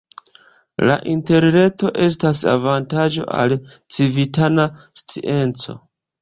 La Interreto estas avantaĝo al civitana scienco.